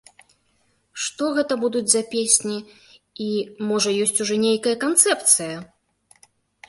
Што гэта будуць за песні, і, можа, ёсць ужо нейкая канцэпцыя?